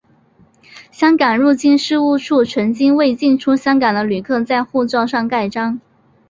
香港入境事务处曾经为进出香港的旅客在护照上盖章。